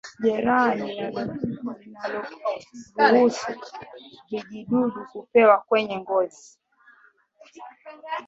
Jeraha linaloruhusu vijidudu kupenya kwenye ngozi